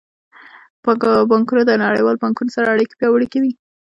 بانکونه د نړیوالو بانکونو سره اړیکې پیاوړې کوي.